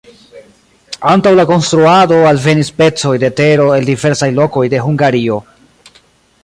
Antaŭ la konstruado alvenis pecoj de tero el diversaj lokoj de Hungario.